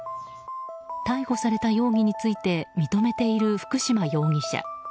逮捕された容疑について認めている福嶋容疑者。